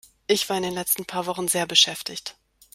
Ich war in den letzten paar Wochen sehr beschäftigt.